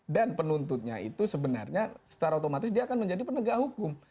dan penuntutnya itu sebenarnya secara otomatis dia akan menjadi penegak hukum